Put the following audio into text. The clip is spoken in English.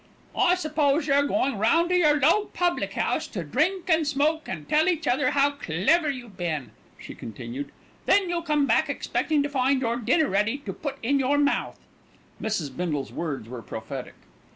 "I suppose you're going round to your low public house, to drink and smoke and tell each other how clever you've been," she continued. "Then you'll come back expecting to find your dinner ready to put in your mouth." Mrs. Bindle's words were prophetic.